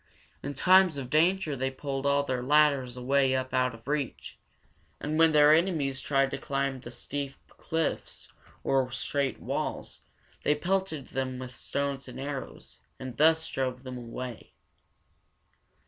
In times of danger they pulled all their ladders away up out of reach, and when their enemies tried to climb the steep cliffs or straight walls, they pelted them with stones and arrows, and thus drove them away.